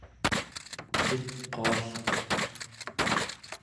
ciqualleq